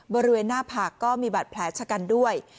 บริเวณหน้าผากก็มีบาดแผลชะกันด้วย